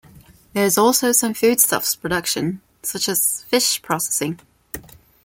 There is also some foodstuffs production, such as fish processing.